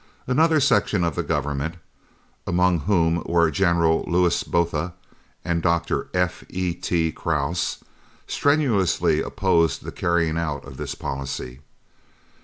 Another section of the Government, among whom were General Louis Botha and Dr. F.E.T. Krause, strenuously opposed the carrying out of this policy.